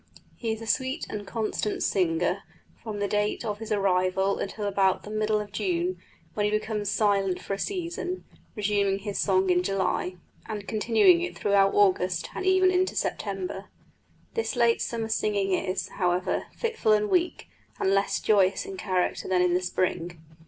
He is a sweet and constant singer from the date of his arrival until about the middle of June, when he becomes silent for a season, resuming his song in July, and continuing it throughout August and even into September. This late summer singing is, however, fitful and weak and less joyous in character than in the spring.